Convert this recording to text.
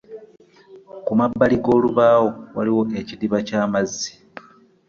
Ku mabbali g'olubaawo waaliwo ekidiba ky'amazzi.